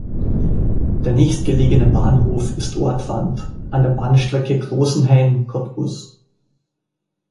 Der nächstgelegene Bahnhof ist "Ortrand" an der Bahnstrecke Großenhain–Cottbus.